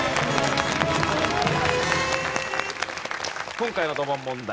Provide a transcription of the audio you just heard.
今回のドボン問題